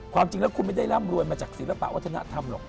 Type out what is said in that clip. ความจริงแล้วคุณไม่ได้ร่ำรวยมาจากศิลปะวัฒนธรรมหรอก